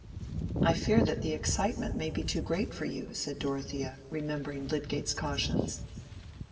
"I fear that the excitement may be too great for you," said Dorothea, remembering Lydgate's cautions.